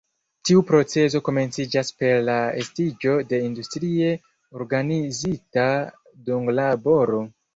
Tiu procezo komenciĝas per la estiĝo de industrie organizita dunglaboro.